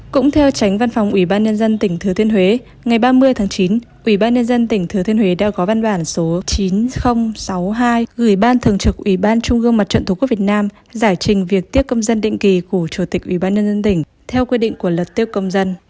cũng theo tránh văn phòng ủy ban nhân dân tỉnh thừa thiên huế ngày ba mươi tháng chín ủy ban nhân dân tỉnh thừa thiên huế đã có văn bản số chín nghìn sáu mươi hai gửi ban thường trực ủy ban trung ương mặt trận tổ quốc việt nam giải trình việc tiếp công dân định kỳ của chủ tịch ủy ban nhân dân tỉnh theo quy định của luật tiếp công dân